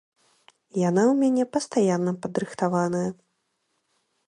Яна ў мяне пастаянна падрыхтаваная.